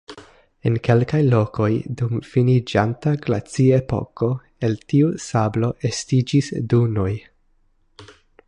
En kelkaj lokoj dum finiĝanta glaciepoko el tiu sablo estiĝis dunoj.